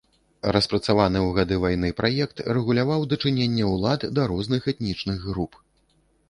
Распрацаваны ў гады вайны праект рэгуляваў дачыненне ўлад да розных этнічных груп.